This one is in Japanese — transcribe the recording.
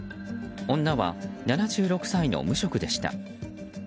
女は７６歳の無職でした。